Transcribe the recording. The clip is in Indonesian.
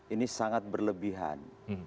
ini sangat berlebihan